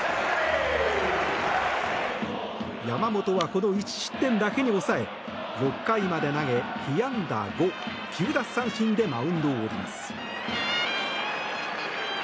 山本はこの１失点だけに抑え６回まで投げ、被安打５９奪三振でマウンドを降ります。